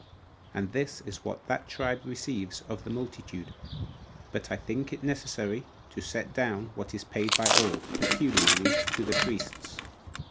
And this is what that tribe receives of the multitude; but I think it necessary to set down what is paid by all, peculiarly to the priests.